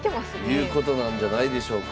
いうことなんじゃないでしょうか。